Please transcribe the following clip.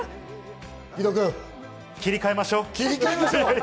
義堂くん、切り替えましょう。